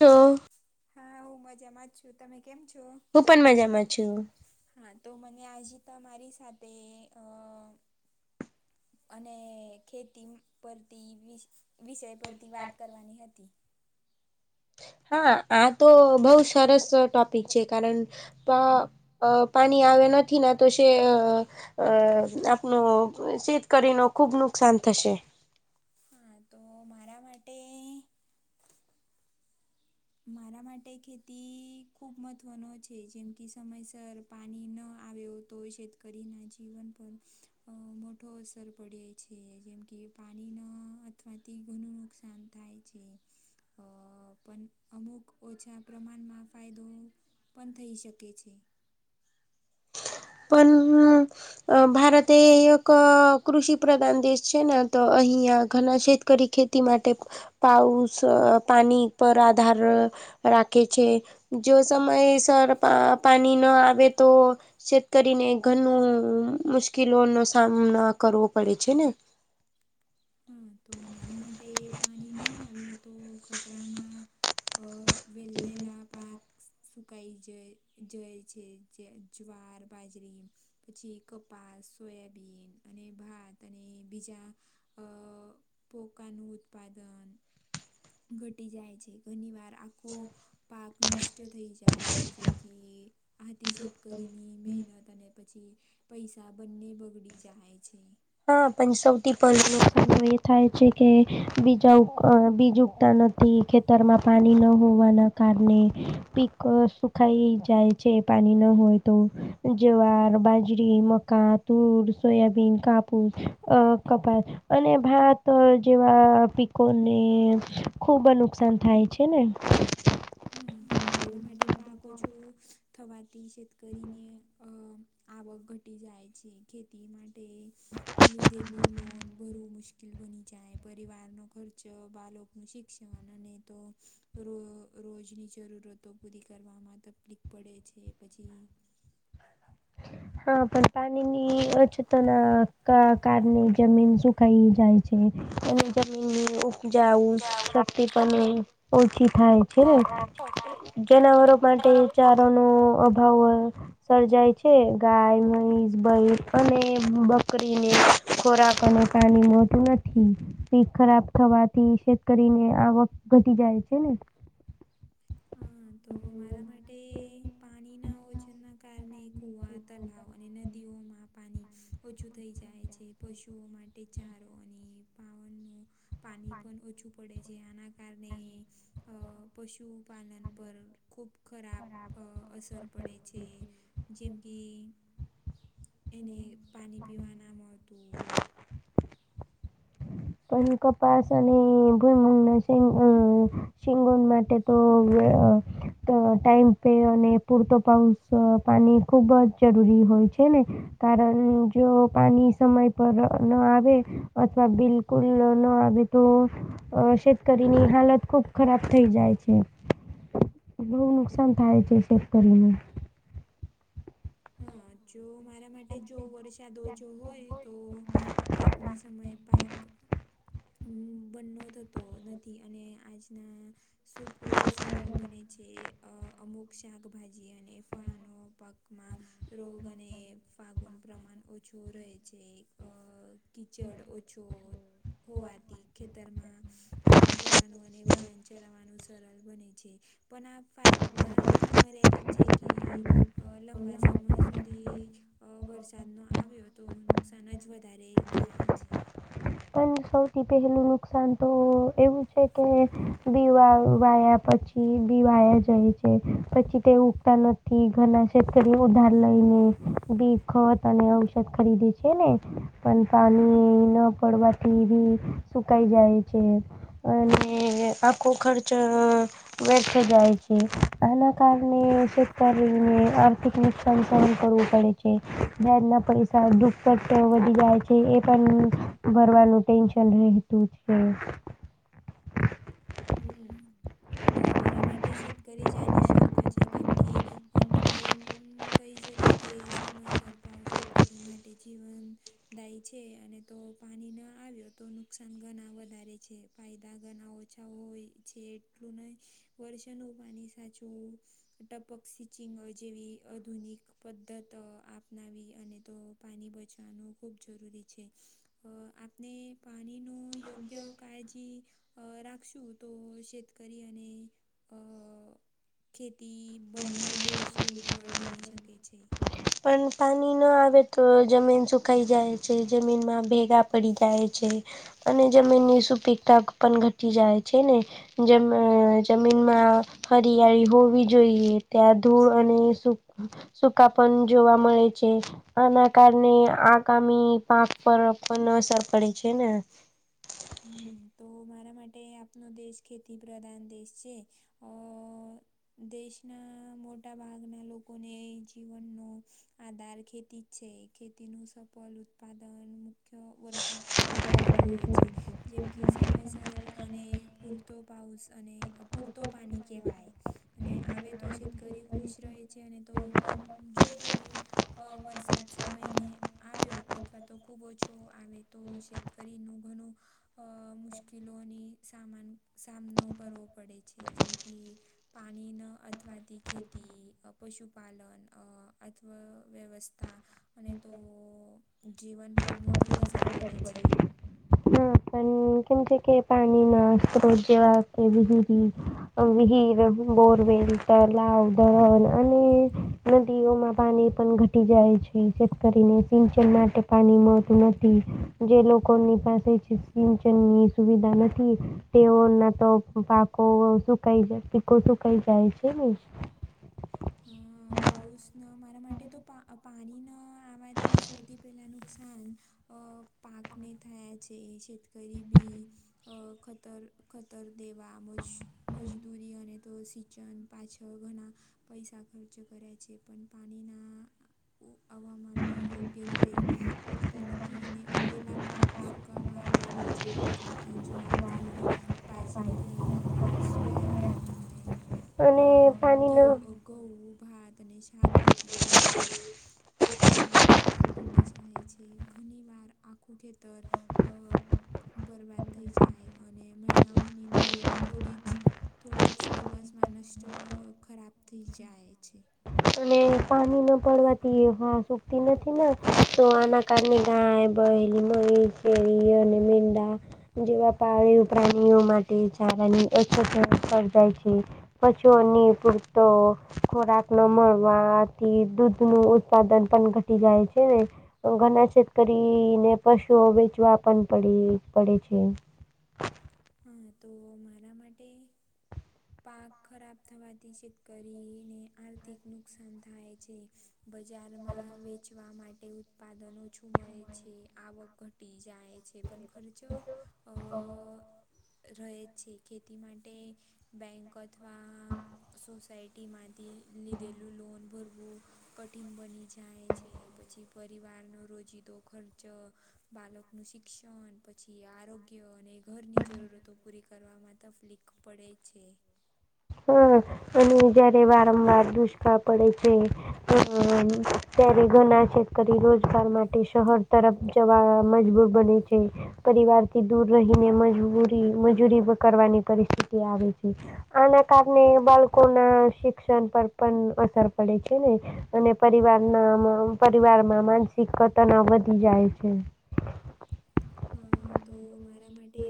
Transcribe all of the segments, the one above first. તો હા હું મજામાં જ છું તમે કેમ છો? હું પણ મજામાં છું. હા તો મને આજે તમારી સાથે અ અને ખેતી પરતી વિ વિષય પરથી વાત કરવાની હતી. હા આ તો બહુ સરસ ટોપિક છે કારણ હા અ પાણી આવે્યા નથી ના તો છે. અ આપનો શીતકરી નો ખુબ નુકસાન થશે. હા તો મારા માટે મારા માટે ખેતી ખૂબ મહત્ત્વનો છે જેમ કે સમયસર પાણી ન આવ્યો તો શેતકરીને જીવન પર અ મોટો અસર પડે. છે જેમ કે પાણીના આથવાથી ઘણું નુકસાન થાય છે. અ પણ અમુક ઓછા પ્રમાણમાં ફાયદો પણ થઈ શકે છે. પણ હમ અ ભારતએ એક કૃષિ પ્રધાન દેશ છે ને તો અહીંયા ઘણા શેતકરી ખેતી તે માટે પાઉસ પાણી પર આધાર રાખે છે જો સમયસર અ પાણી ન આવે તો કરીને ઘણુ મુશ્કેલો નો સામનો કરવો પડે છે ને હા તો મારા માટે પાણી ન આવ્યો તો ખતરામાં અ વેલે [unintelligible] ના પાક સુકાઈ જઈ જઈ છે જે જુંવાર બાજરી પછી કપાસ, સોયાબીન અને ભાત અને બીજા અ પોકનું ઉત્પાદન ઘટી જાય છે ઘણી વાર આ ખો પાક નષ્ટ થઈ જાય જેમ કે આથી [unintelligible] કરીને મહેનત અને પછી પૈસા બંને બગડી જાય છે. હા પણ સૌથી પહેલા [unintelligible] એ થાય છે. કે બીજા બીજ ઉગતા નથી ખેતરમાં પાણી ન હોવાના કારણે પીક સુખાઈ જાય છે. પાણી ન હોય તો જુંવાર બાજરી મકાતૂર, સોયાબીન, કાપુ અ કપાસ અને ભાત જેવા પાકોને ખુબ નુકસાન થાય છે ને હા તો મારા માટે પાક ઓછો થવાથી શતકરીને અ આવક ઘટી જાય છે ખેતી માટે લીધેલું લોન ભરવું મુશ્કેલ બની જાય પરિવારનો ખર્ચ બાળકનું શિક્ષણ અને તો રોજની જરૂરતો પૂરી કરવામાં તકલીફ પડે છે પછી [inaudible] હા પણ પાણીની અછતોના કારણે જમીન સુકાઈ જાય. છે, અને જમીન ઉપજાવું શક્તિ પણ ઓછી થાય છે ને જનાવરો માટે ચારો નો અભાવ સર્જાય છે. છે ગાય મહીસ [unintelligible] અને [unintelligible] ખોરાક અને પાણી મોટું. પાક ખરાબ થવાથી શેત કરીરી ને આવક ઘટી જાય છે ને. હા તો ખરાબ મારા માટે પાણીના ઓજના કારણે કુવા, તળાવ અને નદીઓમાં પાણી ઓછું થઈ જાય છે પશુઓ માટે ચારો અને પાવનનું પાણી પણ ઓછું પડે છે. આના કારણે પશુપાલન પર ખૂબ ખરાબ અસર પડે છે જેમ કે એને પાણી પીવા ના મળતું. પણ કપાસ અને ભૂઈમ ના [unintelligible] શિંગોન માટે તો તો ટાઈમે અને પૂરતો પાઉસ પાણી ખુબ જ જરૂરી હોય છે ને. કારણ જો પાણી સમય પર ન આવે અથવા બિલ બિલકુલ ન આવે તો અ શેતકરીની હાલત ખુબ ખરાબ થઈ જાય છે. બવુ નુકસાન થાય છે શેતકરીને. હા જો મારા માટે જો વર્ષ વરસાદ ઓછો હોય તો કાપની સમયે પાક હમ બન્નો થતો નથી અને આજના સૂકું સરલ બને છે અ અમુક શાકભાજી અને ફળાનો પક માં રોગ અને ફાગુન પ્રમાન ઓછું રહે છે અ કિચડ ઓછો કુવાથી ખેતરમાં કામ કરવાનું અને વાહન ચલાવવાનો સરળ બને છે પણ આ ફાયદા મર્યાદિત છે કે લંબા સમય સુધી વરસાદનો આવ્યો તો નુકસાન જ વધારે થાય છે. પણ સૌથી પહેલું નુકસાન તો એવું છે કે બીવા વાયા પછી [unintelligible] બીવાયા જાય છે પછી તે ઉગતા નથી ઘના શતકરી ઉધાર લઈને. દેખત અને ઔષધ ખરીદે છે ને પન પાણી ન પડવાથી ભી સુકાઈ જાય છે. અને આખો ખર્ચ વ્યર્થ જાય છે એના કારને શેતકારીની આર્થિકની સંસહન કરવું પડે છે. વ્યાજના પૈસા દુકટ વધી જાય છે એ પન ભરવાનું ટેન્શન રહેતું છે. હમ તો મારા માટે છેત કરી જાની શરક છે કેમ કે અંતમાં એમ કહી શકીએ કે સમયસર ભાવ શેતકરી માટે જીવન દાય છે અને તો પાણી ન આવ્યો તો નુકસાન ઘના વધારે છે ફાયદા ઘના ઓ ઓછા હોય છે એટલું નહીં વર્ષાનું પાની સાચવું. ટપક સિચિંગો જેવી અધુનિક પદ્ધત આપનાવી અને તો પાની બચાવાનું ખૂબ જરૂરી છે. અ આપને પાણીનો યોગ્ય કાળજી અ રાખ ખશું તો શેતકરી અને અ ખેતી બંને ભવિષ્ય ઉજવળ બની શકે છે. પન પાની ન આવે તો જમીન સુકાઈ જાય છે જમીનમાં ભેગ ગા પડી જાય છે અને જમીનની સુપિકા પન ઘટી જાય છે ને? જમ જમીનમાં હરિયાળી હોવી. જોઈએ ત્યાં ધૂળ અને સુક સુકા પણ જોવા મળે છે અના કારને આગામી પાક પર પન અસર પડે છે ને? હમ તો મારા માટે આપનો દેશ ખેતી પ્રધાન દેશ છે. અ દેશના મોટા ભાગના લોકોને જીવનનો આધાર ખેતી છે. ખેતીનું સફલ ઉત્પાદન મુખ્ય વરસાદ પર આધારિત હોય છે. જેમ કે સમયસર અને પૂરતો પાઉસ અને અપૂરતો પાની કહેવાય. અને આવે તો શેતકરી ખુશ રહે છે અને તો પન જો પાની અ વરસાદ સમયને આવ્યો અથવા તો ખૂબ ઓછો આવે તો શેત કરીનું ઘનું અ મુશ્કેલોની સામાન સામનો કરવો પડે છે. જેમ કે પાની ન અથવાથી ખેતી અ પશુ પાલન અ અથવ વ્યવસ્થા અને તો જીવન પર મોટી અસર પડે છે. હમ કેમ કે કે પાનીના સ્ત્રોત જેવા [unintelligible] અ વિહીર, બોરવેલ, તલાવ, દન અને નદીઓમાં પાની પન ઘટી જાય છે જેથ કરીને સિંચન માટે પાની માં તે નથી જે લોકોની પાસે સિંચનની સુવિધા નથી. તેઓના તો પાકો સુકાઈ જાય પીકો સુકાઈ જાય છે ને? હહ પાઉસ ન મારા માટે તો પા અ પાણી ન આવવાથી સૌથી પહેલાનું નુકસાન અ પાકને થયા છે શેતકરી બી અ ખતર ખતર દેવા મજ મજદૂરીઓ ને તો શી ચન પાછળ ઘણા પૈસા ખર્ચ કરે છે પણ પાણીના આવવામાં બી યોગ્ય રીતે ઊગતા નથી અને ઉગેલા પાક સુકાવા લાગે છે જેમ કે જ્વાર થઇ બાજરી [unintelligible] કપાસ સોયાબીન અને અને ઘેવ પાણીનો ગઉ ભાત અને શાકભાજી જો પોકાનું ઉત્પાદન ઘટી જાય છે ઘની વાર આખું ખેતર અ બરબાદ થઈ જાય અને મહિનાઓની મહેનત થોડી જ થોડા જ દિવસમાં નષ્ટ ખરાબ થઈ જાય છે. અને પાની ન પડવાથી હહ સુકતી નથી ને તો આના કારણે ગાય પહેલી મમી ફેરી અને મીંડા જેવા પાડીઓ પ્રાણીઓ માટે ચારાની અછત સર્જાય છે. પછો ની પૂરતો ખોરાક ન મળ માંથી દૂધ નું ઉત્પાદન પણ ઘટી જાય છે ને ઘણા છેતકરીને પશુઓ વેચવા પણ પડી પડે છે. હા તો મારા માટે પાક ખરાબ થવાથી છેત કરીનેઆર્થિક નુકસાન થાય છે. બજારમાં વેચવા માટે ઉત્પાદન ઓછું મળે છે આવક ઘટી જાય છે. છે પણ ખર્ચો અ રહે જ છે ખેતી માટે બેંક અથવા સોસાયટીમાંથી લીધેલું લોન ભરવું. કઠિન બની જાય છે પછી પરિવારનો રોજિદો ખર્ચ બાળક નું શિક્ષણ પછી આરોગ્ય અને ઘરની જરૂરતો પૂરી કરવામાં તકલીફ પડે છે. હમ્મ અને જયારે વારંવાર દુષ્કાળ પડે છે. [unintelligible] ત્યારે ઘણા [unintelligible] રોજગાર માટે શહેર તરફ જવા મજબૂર બને છે. પરિવાર થી દૂર રહીને મજબૂરી મજૂરી કરવાની પરિસ્થિતિ આવે છે. આના કારણે બાળકો ના શિક્ષણ પર પણ અસર પડે છે ને અને પરિવાર ના પરિવારમાં માનસિક ઘટનો વધી જાય છે. હા તો મારા માટે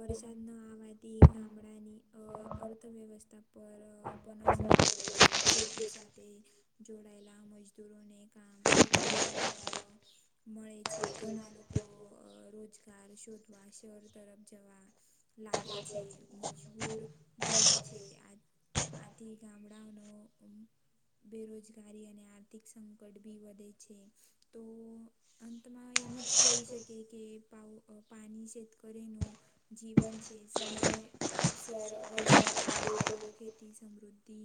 વરસાદ ન આવવાથી ગામડાની અ અર્થવ્યવસ્થા પર પણ અસર પડે છે ખેતી સાથે જોડાયેલા મજદૂરોને કામ ઓછું અ મળે છે ઘણા લોકો રોજગાર શોધવા શહેર તરફ જવા લાગે છે. મજબૂર બને છે આ આથી ગામડાઓનો બેરોજગારી અને આર્થિક સંકટ ભી વધે છે. તો અંતમાં એમ જ કહી શકી એ કે પાઉ પાણી શેતકરી નું જીવન જે સમયે સર વરસાદ આ આવે તો ખેતી સમૃદ્ધિ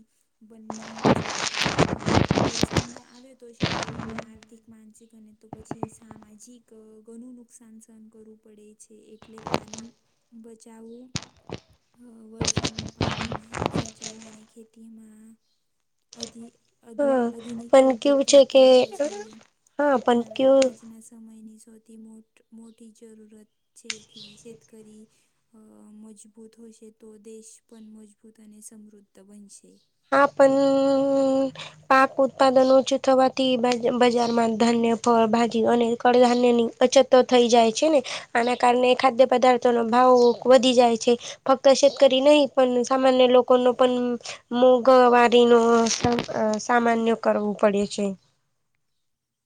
બંને છે અને વરસાદ ના આવે તો શેત કરીને આર્થિક માનસિક અને તો પછી સામાજિક ઘણું નુકસાન સહન કરવું પડે છે એટલે પાણી બચાવવું વર [unintelligible] નું પાણી સાચાવું અને ખેતીમાં [unintelligible] અધુ હા આધુનિક પણ કેવું છે કે પદ્ધતિતી પછી હા પણ અપનાવે કેવું આજના સમયની શોધ થી મો મોટી જરૂરત છે કે શેતકરી મજબૂત હોશે તો દેશ પણ મજબૂત અને સમૃદ્ધ બનશે. હા પણ પાક ઉત્પાદન ઓછું થવાથી બજાર માં ધાન્ય ફળ ભાજી અને કડધાાન્યની અછતો થઈ જાય છે ને આના કારણે ખાદ્ય પદાર્થો નો ભાવ વધી જાય છે. ફક્ત શેતકરી નહી પણ સામાન્ય લોકોનો પણ મોંઘવારીનો સામાન્ય કરવો પડે છે.